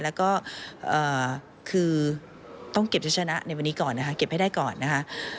แล้วก็คือต้องเก็บชุดชนะในวันนี้ก่อนนะคะเก็บให้ได้ก่อนนะคะ